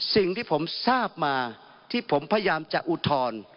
สิ่งที่ผมทราบมาที่ผมพยายามจะอุทธรณ์